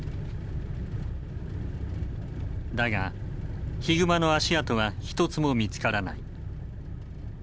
だがヒグマの足跡は一つも見つからない。